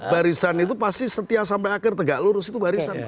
barisan itu pasti setia sampai akhir tegak lurus itu barisan